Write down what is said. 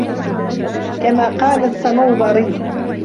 كَمَا قَالَ الصَّنَوْبَرِيُّ